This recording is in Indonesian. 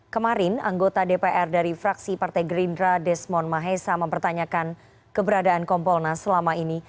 kemarin anggota dpr dari fraksi partai gerindra desmond mahesa mempertanyakan keberadaan kompolnas selama ini